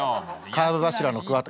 カーブ柱の桑田。